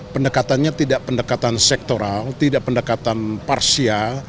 pendekatannya tidak pendekatan sektoral tidak pendekatan parsial